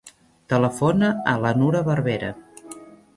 Telefona a la Nura Barbera.